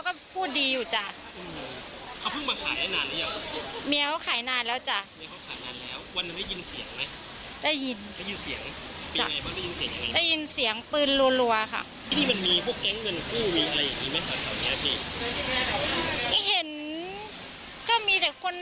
ด้านเดียวดูก็ไม่เห็นมีเลย